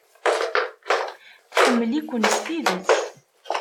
Tḥemmel-iken s tidet.